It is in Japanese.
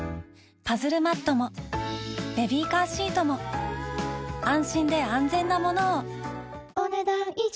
パズルマットもベビーカーシートも安心で安全なものをお、ねだん以上。